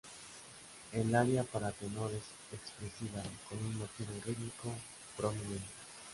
El aria para tenor es expresiva con un motivo rítmico prominente.